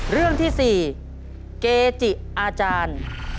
เรื่องที่๔เกจิอาจารย์